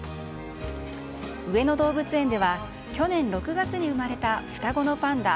上野動物園では、去年６月に生まれた双子のパンダ、